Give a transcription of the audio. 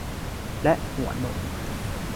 และหัวนม